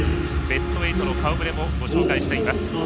ベスト８の顔ぶれもご紹介しています。